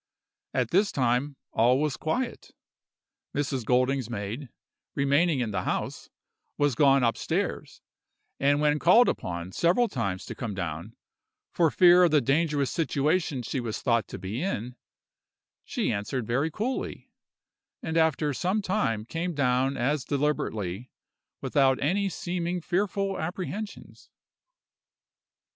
At this time all was quiet; Mrs. Golding's maid, remaining in the house, was gone up stairs, and when called upon several times to come down, for fear of the dangerous situation she was thought to be in, she answered very coolly, and after some time came down as deliberately, without any seeming fearful apprehensions.